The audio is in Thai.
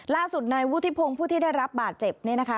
ล่าสุดนายวุฒิพงศ์ผู้ที่ได้รับบาดเจ็บเนี่ยนะคะ